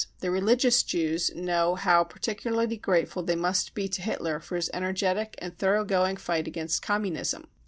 The religious Jews know how par ticularly grateful they must be to Hitler for his energetic and thoroughgoing fight against Communism.